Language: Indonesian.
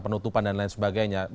penutupan dan lain sebagainya